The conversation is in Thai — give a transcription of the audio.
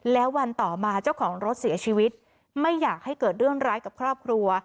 แล้ววันต่อมาเจ้าของรถเสียชีวิตไม่อยากให้เกิดเรื่องร้ายกับครอบครัว